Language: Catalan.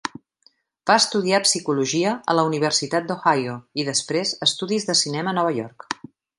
Va estudiar psicologia a la Universitat d'Ohio i després estudis de cinema a Nova York.